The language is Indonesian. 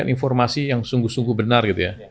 diberikan informasi yang sungguh sungguh benar